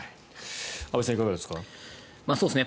安部さん、いかがですか？